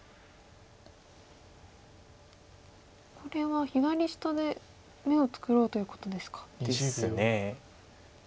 これは左下で眼を作ろうということですか。ですね。